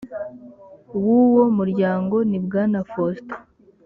w uwo muryango ni bwana faustin